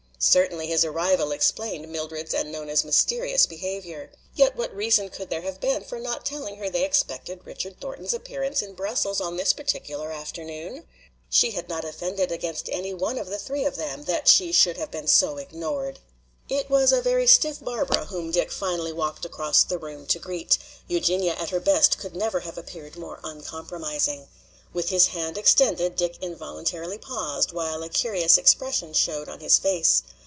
Certainly his arrival explained Mildred's and Nona's mysterious behavior. Yet what reason could there have been for not telling her they expected Richard Thornton's appearance in Brussels on this particular afternoon? She had not offended against any one of the three of them, that she should have been so ignored! It was a very stiff Barbara whom Dick finally walked across the room to greet: Eugenia at her best could never have appeared more uncomprising. With his hand extended Dick involuntarily paused, while a curious expression showed on his face.